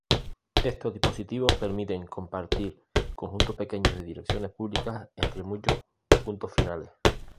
Estos dispositivos permiten compartir conjuntos pequeños de direcciones públicas entre muchos puntos finales.